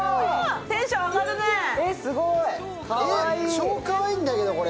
超かわいいんだけど。